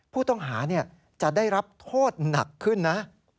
ผู้ต้องหาจะได้รับโทษหนักขึ้นนะ